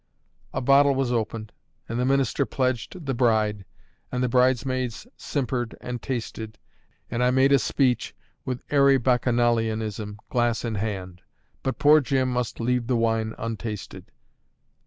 A bottle was opened; and the minister pledged the bride, and the bridesmaids simpered and tasted, and I made a speech with airy bacchanalianism, glass in hand. But poor Jim must leave the wine untasted.